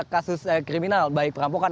kasus kriminal baik perampokan